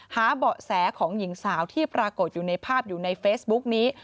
เบาะแสของหญิงสาวที่ปรากฏอยู่ในภาพอยู่ในเฟซบุ๊กนี้